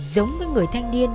giống với người thanh niên